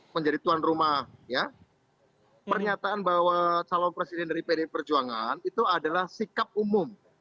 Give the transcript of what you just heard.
menjadi tuan rumah ya pernyataan bahwa calon presiden dari pdi perjuangan itu adalah sikap umum